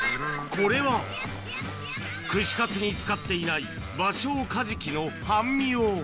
これは、串カツに使っていないバショウカジキの半身を。